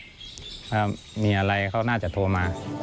ปากอยู่ทางโน้นแหละถ้ามีอะไรเขาน่าจะโทรมา